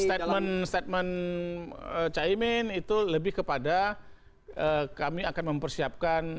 statement statement caimin itu lebih kepada kami akan mempersiapkan